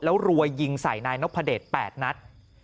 แล้วรัวยิงใส่นายนพเดช๘นัด